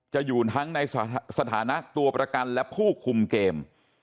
อยู่ทั้งในสถานะตัวประกันและผู้คุมเกม